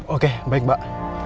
oke baik mbak